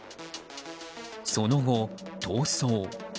その後、逃走。